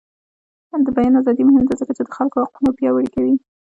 د بیان ازادي مهمه ده ځکه چې د خلکو حقونه پیاوړي کوي.